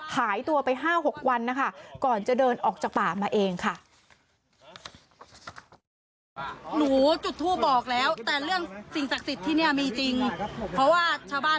หายตัวไป๕๖วันนะคะก่อนจะเดินออกจากป่ามาเองค่ะ